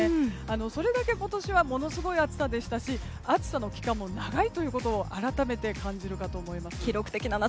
それだけ今年はものすごい暑さでしたし暑さの期間も長いということを改めて感じるかと思います。